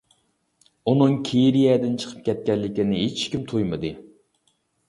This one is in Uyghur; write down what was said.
ئۇنىڭ كېرىيەدىن چىقىپ كەتكەنلىكىنى ھېچكىم تۇيمىدى.